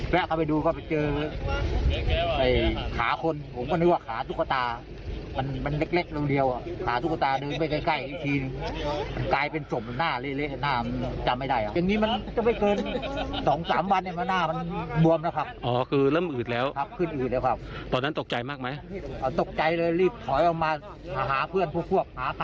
ตกใจเลยรีบถอยออกมาหาเพื่อนพวกหาตักหาคนเลี้ยงหัว